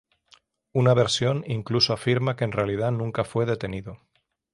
Una versión incluso afirma que en realidad nunca fue detenido.